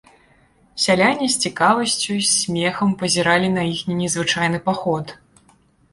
Сяляне з цікавасцю, з смехам пазіралі на іхні незвычайны паход.